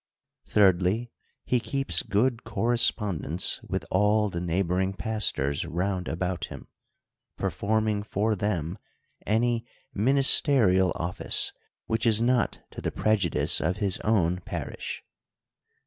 — Thirdly, he keeps good correspondence with all the neighboring pastors round about him, performing for them any ministerial office, which is not to the prejudice of his own parish.